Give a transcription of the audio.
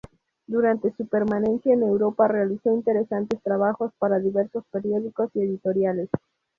Durante su permanencia en Europa realizó interesantes trabajos para diversos periódicos y editoriales.